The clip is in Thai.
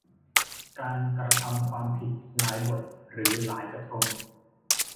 การกระทำความผิดหลายบทหรือหลายกระทง